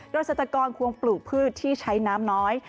โดยเศรษฐกรควรปลูกพืชที่ใช้น้ำน้อย